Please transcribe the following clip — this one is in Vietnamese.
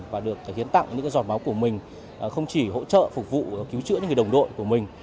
và được hiến tặng những giọt máu của mình không chỉ hỗ trợ phục vụ cứu chữa những người đồng đội của mình